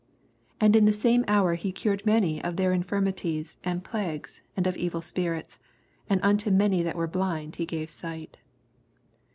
21 And in the same hour he cured many of tkdr Infirmities and plagues and of evil spirits ; and unto many that were blind he gave sight.